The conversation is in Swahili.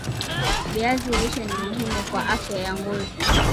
viazi lishe ni muhimu kwa afya ya ngozi